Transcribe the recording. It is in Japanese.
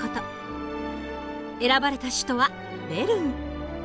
選ばれた首都はベルン。